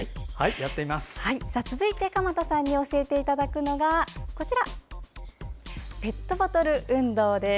続いて鎌田さんに教えていただくのがペットボトル運動です。